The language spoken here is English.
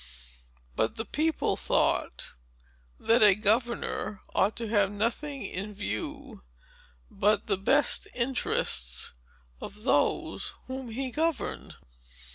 But the people thought, that a governor ought to have nothing in view, but the best interests of those whom he governed.